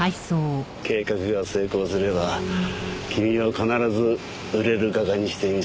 計画が成功すれば君を必ず売れる画家にしてみせる。